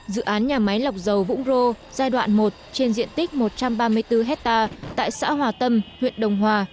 dự án nhà máy lọc dầu vũng rô giai đoạn một trên diện tích một trăm ba mươi bốn hectare tại xã hòa tâm huyện đồng hòa